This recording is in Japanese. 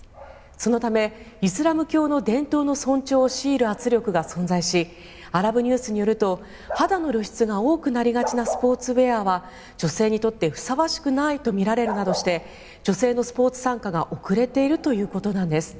そのためイスラム教の伝統の尊重を強いる圧力が存在しアラブニュースによると肌の露出が多くなりがちなスポーツウェアは女性にとってふさわしくないとみられるとして女性のスポーツ参加が遅れているということです。